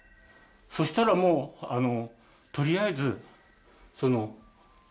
そうしたらもうとりあえずお骨をね